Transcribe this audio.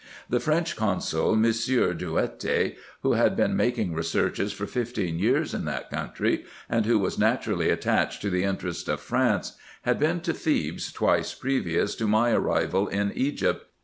The French Consul, Monsieur Drouetti, who had been making researches for fifteen years in that country, and who was naturally attached to IN EGYPT, NUBIA, &c. 115 the interest of France, had been to Thebes twice previous to my arrival in Egypt.